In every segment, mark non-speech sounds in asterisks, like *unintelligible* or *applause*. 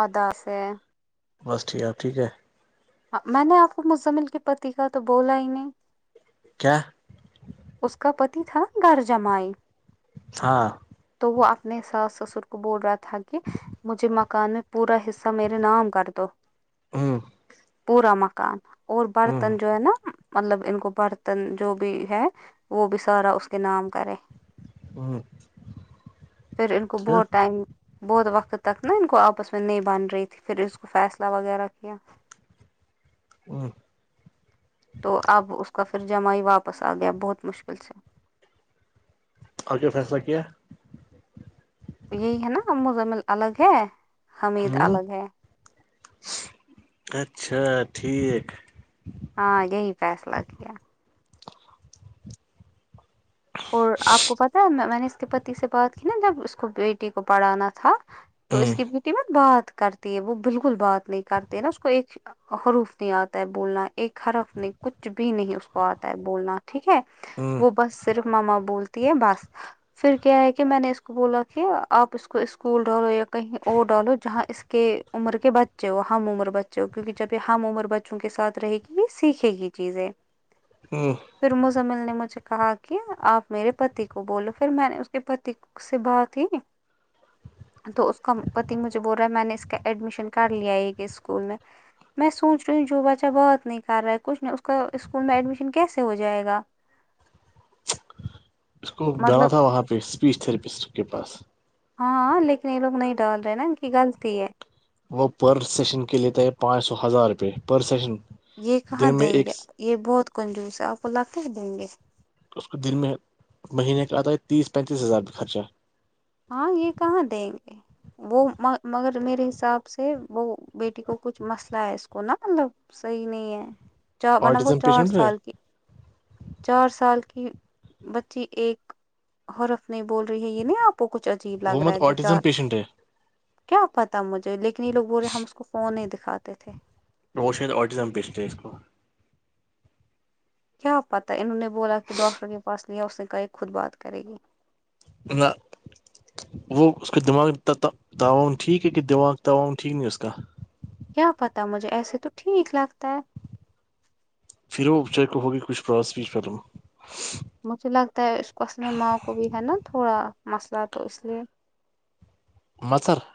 آدا سے بس ٹھیک آپ ٹھیک ہے ہاں میں نے آپ کو مزمل کے پتی کا تو بولا ہی نہیں کیا اس کا پتی تھا گر جمائی ہاں تو وہ اپنے ساس سسر کو بول رہا تھا کہ مجھے مکان میں پورا حصہ میرے نام کر دو ہوں پورا مکان اور برتن ہوں جو ہے نا مطلب ان کو برتن جو بھی ہے وہ بھی سارا اس کے نام کرے ہوں پھر ان کو بہت ٹائم بہت وقت تک نا ان کو آپس میں نہیں بن رہی تھی پھر اس کو فیصلہ وغیرہ کیا *inaudible* تو اب اس کا پھر جمع ہی واپس آ گیا بہت مشکل سے اک کیا فیصلہ کیا یہی ہے نا اوزمل الگ ہے حمید ہوں الگ ہے اچھا ٹھیک ہاں یہی فیصلہ کیا اور آپ کو پتا ہے میں نے اس کے پتی سے بات کی نا جب اس کو بیٹی کو پڑھانا تھا تو ہوں اس کی بیٹی میںت بات کرتی ہے وہ بالکل بات نہیں کرتی ہے نا اس کو ایک حروف نہیں آتا ہے بولنا ایک حرف نہیں کچھ بھی نہیں اس کو آتا ہے بولنا ٹھیک ہے ہوں وہ بس صرف ماما بولتی ہے بس پھر کیا ہے کہ میں نے اس کو بولا کہ آپ اس کو اسکول ڈالو یا کہیں اور ڈالو جہاں اس کے عمر کے بچے ہو ہم عمر بچے ہو کیونکہ جب یہ ہم عمر بچوں کے ساتھ رہے گی بھی سیکھے گی چیزیں *inaudible* پھر مزمل نے مجھے کہا تھا کیا آپ میرے پتی کو بولو پھر میں نے اس کے پتی سے بات ہی تو اس کا پتی مجھے بول رہا ہے میں نے اس کا ایڈمیشن کارڈ لیا ہے کہ اسکول میں میں سوچ رہی ہوں جو بچہ بات نہیں کر رہا ہے کچھ نہیں اس کا اسکول میں ایڈمیشن کیسے ہو جائے گا اس کو مطلب گانا تھا وہاں پہ اسپیچ تھراپسٹ کے پاس ہاں لیکن یہ لوگ نہیں ڈ رہے نا ان کی غلطی ہے وہ پر سیشن کے لیتا ہے پانچ سو ہزار روپئے پر سیشن یہ کہاں دن میں دیں ایک گے اس یہ بہت کنجوس ہے آپ کو لگ کے ہی دیں گے اس کو دن میں مہینے کا آتا ہے تیس پینتیس ہزارپ خرچہ ہاں یہ کہاں دیں گے وہ مگر میرے حساب سے وہ بیٹی کو کچھ مسئلہ ہے اس کو نا مطلب صحیح نہیں ہے چ منب وہ آٹزم چار پیشنٹ ہے سال کی چار سال کی بچی ایک حرف نہیں بول رہی ہے یہ نہیں آپ کو کچھ عجیب وہ لگ رہا مت ہے جو آٹزم چار پیشنٹ ہے کیا پتا مجھے لیکن یہ لوگ بولے ہم اس کو فون نہیں دکھاتے تھے روشن اورٹیزم پیسٹ ہے اس کو کیا پتا انہوں نے بولا کہ ڈاکٹر کے پاس لیا اس نے کہای خود بات کرے گی *inaudible* وہ اس کے دماغ تاون ٹھیک ہے کہ دماغ تاون ٹھیک نہیں اس کا کیا پتا مجھے ایسے تو ٹھیک لگتا ہے پھر وہچا کو ہوگی کچھ پراس پچ پلوں مجھے لگتا ہے اس کو اصلم ماں کو بھی ہے نا تھوڑا مسئلہ تو اس لیے *inaudible*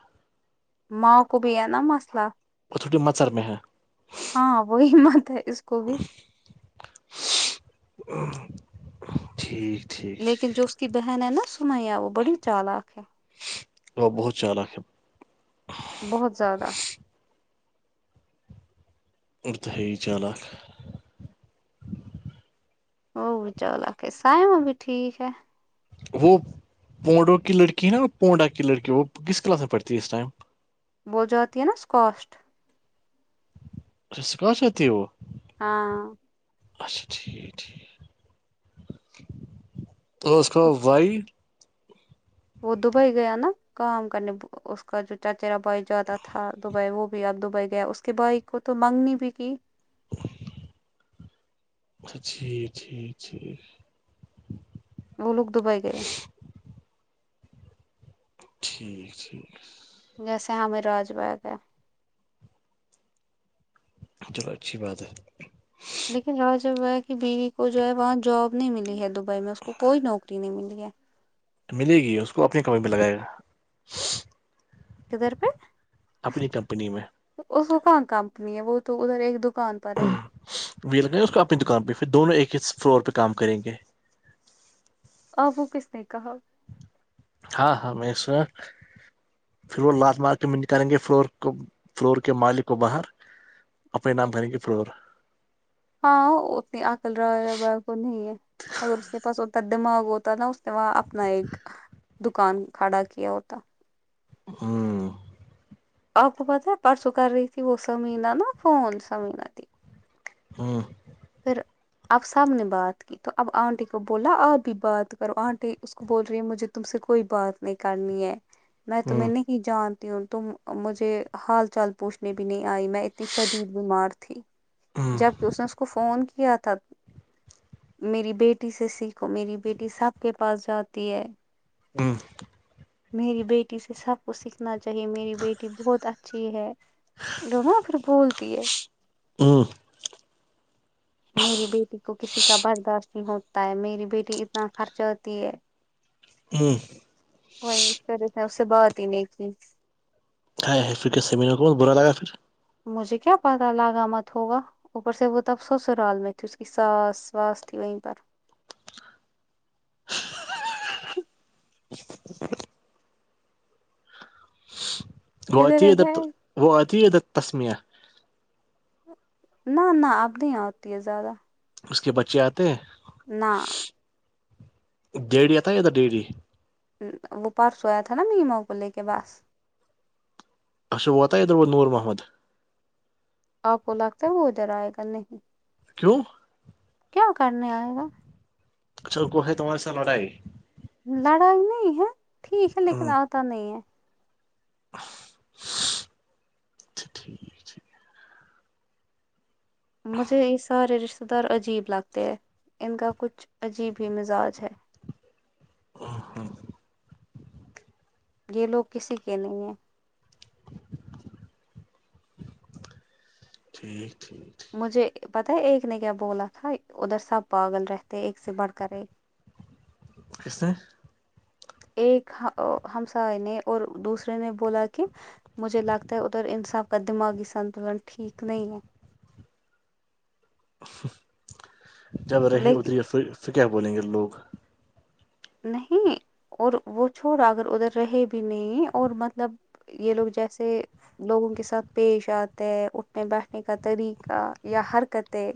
ماں کو بھی ہے نا مسئلہ *inaudible* ہاں وہی مت ہے اس کو بھی ٹھیک ٹھیک لیکن جو ٹھیک اس کی بہن ہے نا سمیا وہ بڑی چالاک ہے وہ بہت چانک ہے بہت زیادہ اورد ہے چالاک وہ بھی چل آ کہ سائم بھی ٹھیک ہے وہ پوڈوں کی لڑکی ہےا پونڈا کی لڑکی وہ کس کلاس میں پڑھتی ہے اس ٹائم بول جاتی ہے نا اس کااسٹ سک ستی وہ ہاں اچھا ٹھیک ٹھیک اورس کاں وائی وہ دبئی گیا نا کام کرنے اس کا جو چچرا بھائی جیادہ تھا دبئی وہ آپ دبئی گیا اس کے بھائی کو تو مانگنی بھی کی اچ جی ٹی جھ وہ لوگ دبئی گئے ٹھیک ٹھیک جیسے ہمیں آاج باغ ہے چلو اچھی بات ہے لیکن راں جب وہ ہے کہ بیوی کو جو ہے وہاں جاب نہیں ملی ہے دبئی میں اس کو کوئی نوکری نہیں ملی ہے ملے گی اس کو اپنی کمے پہ لگائے گا کدھر پہ اپنی کمپنی میں وہ سکان کمپنی ہے وہ تو ادھر ایک دکان پر ہے وہی لگیں اس کو اپنی دکان پہ پھر دونوں ایک ہی فلور پہ کام کریں گے آ وہ کس نے کہا ہاں ہاں میں سنا پھر وہ لاال مار کے میں نکالیں گے فلور فلور کے مالک کو باہر اپنے نام کہیں گ کہ فلور ہاں اتنی اکل رہا کو نہیں ہے اگر اس کے پاس اوتر دماغ ہوتا ہے نا اس نے وہاں اپنا ایک دکان کھڑا کیا ہوتا ہوں آپ کو پتا ہے پرسوں کر رہی تھی وہ سمینہ نا فون سمینہ تھی ہاں پھر اب سب نے بات کی تو اب آنٹی کو بولا آ بھی بات کرو آنٹی کو بول رہی ہے مجھے تم سے کوئی بات نہیں کرنی ہے میں تمہیں نہیں جانتی ہوں تم مجھے حال چال پوچھنے بھی نہیں آئی میں اتنی شدید بیمار تھی جب کہ اس نے کو فون کیا تھا میری بیٹی سے سیکھو میری بیٹی سب کے پاس جاتی ہے ہ میری بیٹی سے سب کوچ سیکھنا چاہیے میری بیٹی بہت اچھی ہے راں پھر بھول دیے ہوں میری بیٹی کو کسی کا برداشت نہیں ہوتا ہے میری بیٹی اتنا خرچ ہوتی ہے ہوں وہیں اس طرح سے اس سے بہات ہی نہیں کیھی ہائے ہے پھر کے سمینر کو ب برا لگا پھر مجھے کیا پتا لگامت ہوگا اوپر سے وہ تب سسرال میں تھی اس کی ساس واس تھی وہیں پر وہ ادھر آتی ہےد رہتا ہے وہ آتی ہے د تسمں نہ نہ اب نہیں ہوتی ہے زیادہ اس کے بچے آتے ہیں نہ ڈیریی آ تھا ہے یاد ڈیریی وہ پرسوں آیا تھا نا میما کو لے کے بس اچھ واتا ایدر ب نور محمد آپ کو لگتا ہے وہ ا ڈر آئے گا نہیں کیوں کیا کرنے آئے گا اچھا کو ہے تمہارے سا لڑائی لڑائی نہیں ہے ٹھیک ہے لیکن آتا نہیں ہے اچھا ٹھیک ھ مجھے یہ سارے رشتے سدھر عجیب لگتے ہے ان کا کچھ عجیب ہی مزاج ہے ہ ہاں یہ لوگ کسی کے نہیں ہیں ٹھیک ٹھیک مجھے پتاہ ہے ایک نے کیا بولا تھا ادھر سب پاگل رہتے ایک سے بڑھ کر ایک اسس ہیں ایک ہمسائے نے اور دوسرے نے بولا کہ مجھے لگتا ہے ادھر انسا کا دماغی سنتولن ٹھیک نہیں ہے جب ہے رہے اتری لیکن پھر پھر کیا بولیں گے لوگ نہیں اور وہ چھوڑا اگر ادھر رہے بھی نہیں اور مطلب یہ لوگ جیسے لوگوں کے ساتھ پیش آتے ہیں اٹھنے بیٹھنے کا طریقہ یا حرکتیں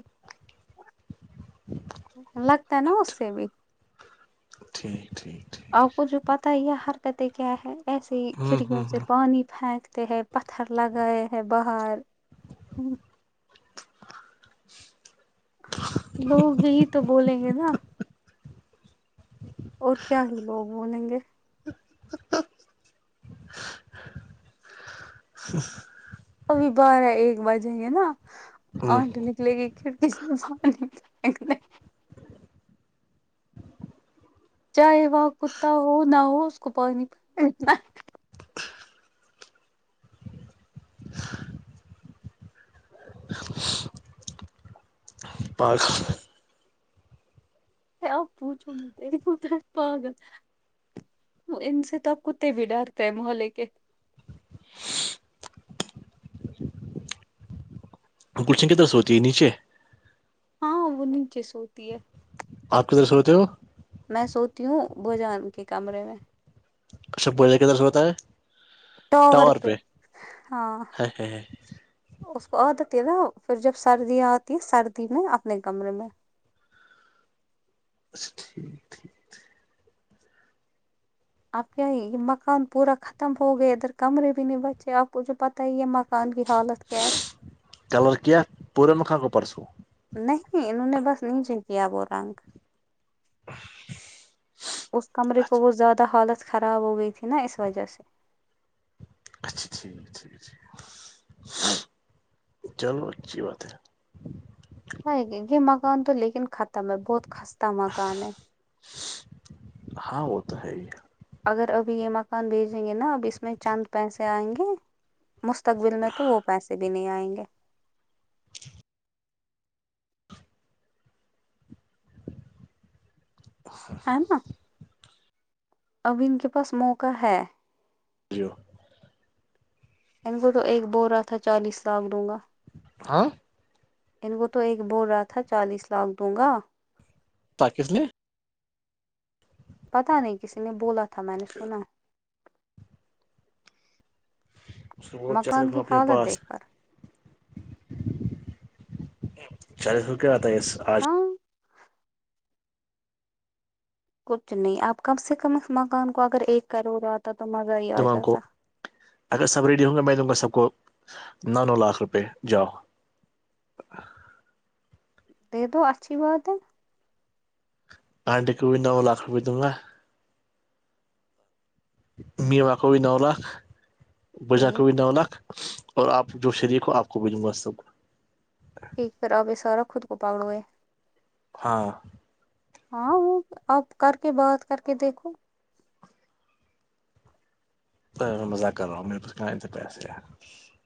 لگتا ہے نا اس سے بھی ٹھیک ٹھیک ٹھیک آپ کو جو پتا ہی حرکتیں کیا ہے ایسے ہ کھڑکیوں ہ سے ہ پانی پھینکتے ہے پتھر لگائے ہیں باہر لوگ یہی تو بولیں گے نا اور کیا وہ بولیں گے *unintelligible* ابھی بارہ ایک بجیں گے نا ہ آٹ نک نکلے گی کھر کسی *unintelligible* چاہے وہاں کتا ہو نہ ہو اس کو پانینا پاک آپ پوچھوں م تری پت پاگل ان سے تو اب کتے بھی ڈرتے ہیں محلے کے کچھ نے کہت تھا سوچی نیچے ہاں وہ نیچے سوتی ہے آپ کدھر سےوتے ہو میں سوتی ہوں بھجان کے کمرے میں اچھا بے کےدر سے بتا ہے ٹاور پہ ہاں ہ ہ اس کو آ دیتی ہے نا پھر جب سردیاں آتی ہے سردی میں اپنے کمرے میں اچا ٹھیک آپ کیا یہ مکان پورا ختم ہو گیا ادھر کمرے بھی نہیں بچے آپ کوھ پتہ ہے یہ م خان کی حالت کیا ہے کلر کیا پورنکھا کو پ پرسو نہیں انہوں نے بس نیچے دیا وہ رنگ اس کمرے کو اچھا وہ زیادہ حالت خراب ہو گئی تھی نا اس وجہ سے *inaudible* ہ یہ مکان تو لیکن ختم ہے بہت خستہ مکان ہے ہاں وہ تو ہے ہی اگر ابھی یہ مکان بھیجیں گے نا اب اس میں چند پیسے آئیں گے مستقبل میں تو وہ پیسے بھی نہیں آئیں گے ہاں نا ابین کے پاس موقع ہے جیو ان کو تو ایک ب رہا تھا چالیس لاکھ دوں گا ہاں *inaudible* ان کو تو ایک بول رہا تھا چالیس لاکھ دوں گا تاکس نے *inaudible* پتا نہیں کسی نے بولا تھا میں نے سنا ست مکان چترکھ کی اپنے حالت پاس دیکھ کر چالیس سو کیا آتا ہےس آج ہاں کچھ نہیں آپ کم سے کم اس مکان کو اگر ایک کروڑ آتا تو مزہ ہی آ تمام کو جاتا اگر سب ریڈی ہوں گے میں دوں گا سب کو نو نو لاکھ روپئے جاؤ د دو اچھی باتے *unintelligible* آنٹی کو بھی نو لاکھ رپئے دوں گا میوکھی نو لھ ٹھیک بجااکی نو لھ اور آپ جو شریک ہو آپ کو بھیجوں گا سب کو ٹھیک پھر اب یہ سارا خود کو پاڑوئے ہاں ہاں وہ آپ کر کے بات کر کے دیکھو تو مذاک کر رہا میرے پچ کہ انت پیسے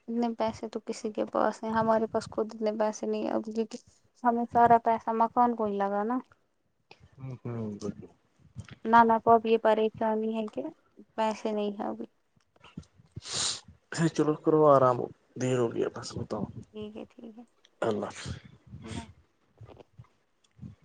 اتنے پیسے تو کسی کے پاس ہیں ہمارے پاس خود اتنے پیسے نہیں ہے ہمیں سارا پیسہ مکان کو ہی لگا نا ہوں ہوں گ نہ نہ پو اب یہ پریشانی ہے کہ پیسے نہیں ہے ابھی ا چلو کروا رہا وہ دیر ہو گییا بس بتاؤ ٹھیک ہے ٹھیک ہے اللہ حافظ اللہظ ہ *unintelligible*